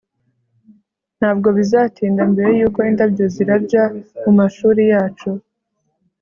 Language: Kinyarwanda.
ntabwo bizatinda mbere yuko indabyo zirabya mumashuri yacu